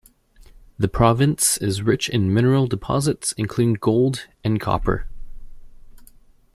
The province is rich in mineral deposits, including gold and copper.